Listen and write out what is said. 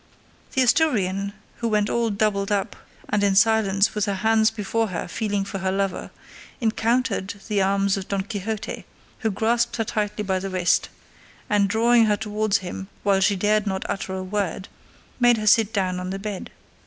The Asturian, who went all doubled up and in silence with her hands before her feeling for her lover, encountered the arms of Don Quixote, who grasped her tightly by the wrist, and drawing her towards him, while she dared not utter a word, made her sit down on the bed.